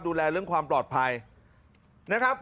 ดูแลเรื่องความปลอดภัยนะครับ